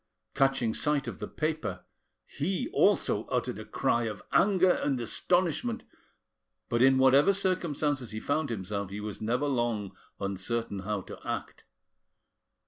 Catching sight of the paper, he also uttered a cry of anger and astonishment, but in whatever circumstances he found himself he was never long uncertain how to act.